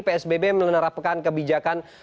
psbb menerapkan kebijakan